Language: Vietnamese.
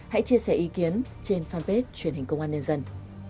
hãy chia sẻ ý kiến trên fanpage truyền hình công an nhân dân